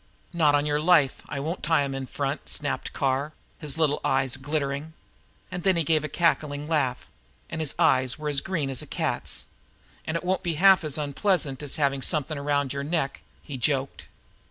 "Not on your life I won't tie 'em in front!" snapped Carr, his little eyes glittering. And then he gave a cackling laugh, and his eyes were as green as a cat's. "An' it won't be half so unpleasant as having something 'round your NECK!" he joked.